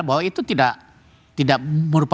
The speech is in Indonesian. bahwa itu tidak merupakan bukan bagian daripada